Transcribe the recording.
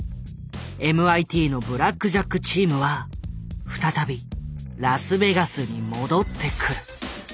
ＭＩＴのブラックジャック・チームは再びラスベガスに戻ってくる。